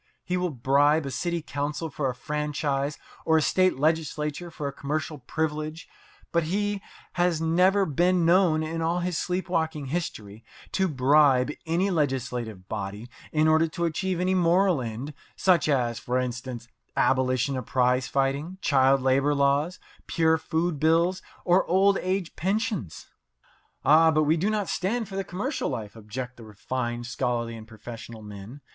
He will bribe a city council for a franchise or a state legislature for a commercial privilege; but he has never been known, in all his sleep walking history, to bribe any legislative body in order to achieve any moral end, such as, for instance, abolition of prize fighting, child labour laws, pure food bills, or old age pensions. "Ah, but we do not stand for the commercial life," object the refined, scholarly, and professional men.